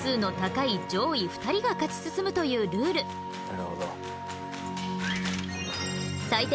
なるほど。